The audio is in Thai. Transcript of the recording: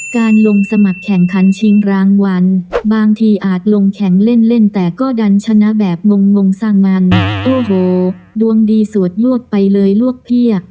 การลงสมัครแข่งขันชิงรางวัลบางทีอาจลงแข่งเล่นเล่นแต่ก็ดันชนะแบบงงสร้างมันโอ้โหดวงดีสวดลวดไปเลยลวกเพียบ